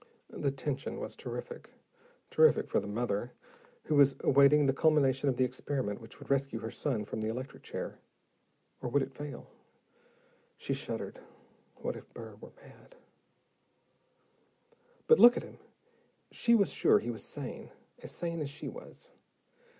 The tension was terrific, terrific for the mother, who was awaiting the culmination of the experiment which would rescue her son from the electric chair or would it fail? She shuddered. What if Burr were mad? But look at him, she was sure he was sane, as sane as she was.